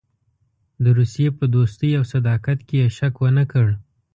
د روسیې په دوستۍ او صداقت کې یې شک ونه کړ.